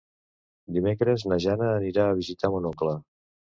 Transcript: Dimecres na Jana anirà a visitar mon oncle.